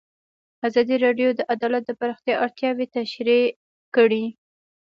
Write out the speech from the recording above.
ازادي راډیو د عدالت د پراختیا اړتیاوې تشریح کړي.